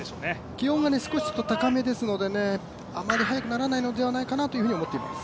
気温が少し高めですのであまり速くならないのではないかなと思っています。